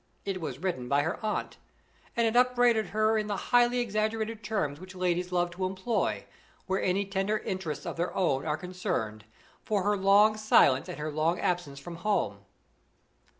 It was written by her aunt, and it upbraided her in the highly exaggerated terms which ladies love to employ, where any tender interests of their own are concerned, for her long silence and her long absence from home.